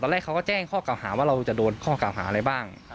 แรกเขาก็แจ้งข้อเก่าหาว่าเราจะโดนข้อเก่าหาอะไรบ้าง